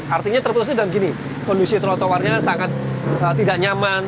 artinya terputusnya dalam gini kondisi trotoarnya sangat tidak nyaman